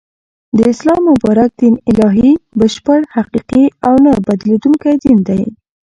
د اسلام مبارک دین الهی ، بشپړ ، حقیقی او نه بدلیدونکی دین دی